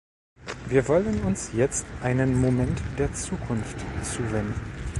Wir wollen uns jetzt einen Moment der Zukunft zuwenden.